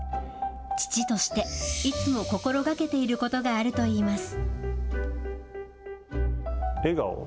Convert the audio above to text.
父として、いつも心がけていることがあるといいます。